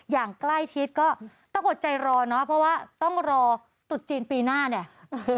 อย่างใกล้ชิดก็ต้องอดใจรอเนอะเพราะว่าต้องรอตุดจีนปีหน้าเนี่ย